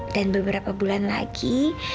dan beberapa bulan lagi